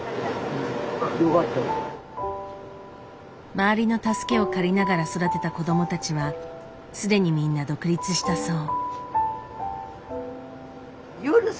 周りの助けを借りながら育てた子どもたちはすでにみんな独立したそう。